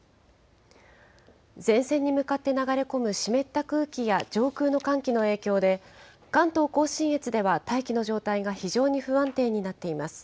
前線に向かって流れ込む湿った空気や上空の寒気の影響で、関東甲信越では大気の状態が非常に不安定になっています。